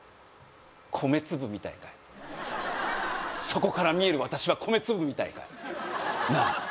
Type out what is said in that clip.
米粒みたいかいそこから見える私は米粒みたいかいなあ？